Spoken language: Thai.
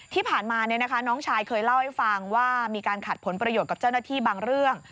ที่ผ่านมาน้องชายเคยเล่าให้ฟังว่ามีการขัดผลประโยชน์กับเจ้าหน้าที่บางเรื่อง